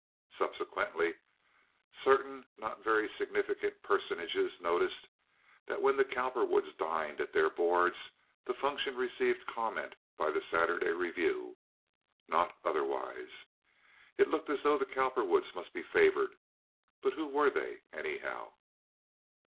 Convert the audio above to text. Subsequently certain not very significant personages noticed that when the Cowperwoods dined at their boards the function received comment by the Saturday Review, not otherwise. It looked as though the Cowperwoods must be favored; but who were they, anyhow?